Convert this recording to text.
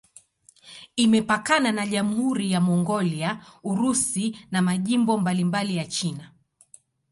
Imepakana na Jamhuri ya Mongolia, Urusi na majimbo mbalimbali ya China.